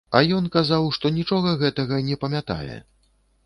А ён казаў, што нічога гэтага не памятае.